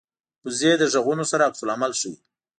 وزې د غږونو سره عکس العمل ښيي